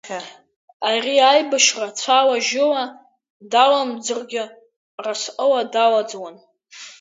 Ари аибашьра, цәала-жьыла даламӡыргьы, разҟыла далаӡуан.